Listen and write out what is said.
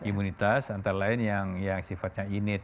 imunitas antara lain yang sifatnya imit